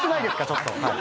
ちょっと。